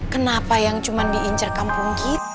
kenapa yang cuman diincar kampung kita